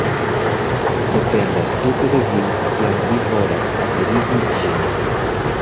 Dependas tute de vi, kiam vi volas aperigi ĝin.